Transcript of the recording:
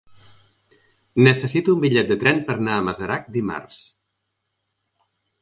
Necessito un bitllet de tren per anar a Masarac dimarts.